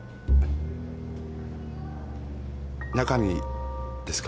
中身ですか？